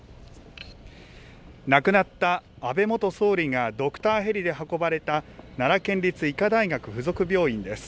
亡くなった安倍元総理がドクターヘリで運ばれた、奈良県立医科大学附属病院です。